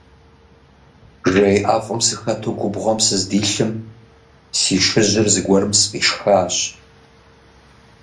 Жей ӀэфӀым сыхэту губгъуэм сыздилъым си шыжьыр зэгуэрым сфӀишхащ.